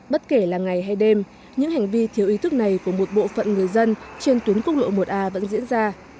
bất kể là ngày hay đêm những hành vi thiếu ý thức này của một bộ phận người dân trên tuyến quốc lộ một a vẫn diễn ra